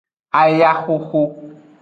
Ayahoho.